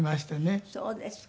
あっそうですか。